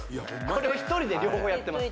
これ１人で両方やってます